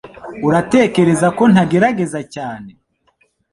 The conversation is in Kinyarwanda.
Uratekereza ko ntagerageza cyane?